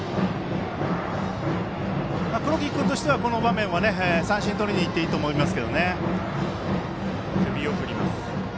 黒木君としては、この場面は三振をとりにいっていいと思います。